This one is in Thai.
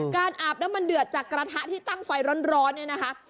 การอาบน้ำมันเดือดจากกระทะที่ตั้งไฟร้อนนะค่ะ